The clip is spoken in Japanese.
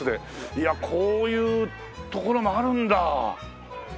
いやこういう所もあるんだ。